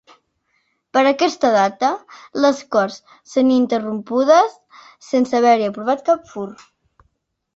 Per aquesta data les Corts són interrompudes, sense haver-hi aprovat cap fur.